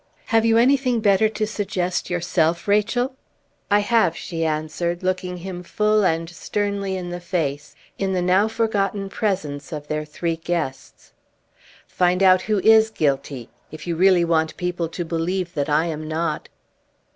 "Have you anything better to suggest yourself, Rachel?" "I have," she answered, looking him full and sternly in the face, in the now forgotten presence of their three guests. "Find out who is guilty, if you really want people to believe that I am not!"